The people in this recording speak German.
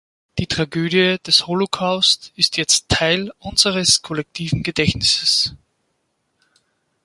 Die Tragödie des Holocaust ist jetzt Teil unseres kollektiven Gedächtnisses.